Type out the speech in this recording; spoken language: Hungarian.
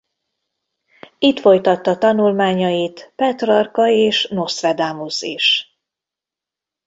Itt folytatta tanulmányait Petrarca és Nostradamus is.